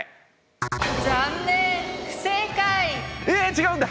違うんだ。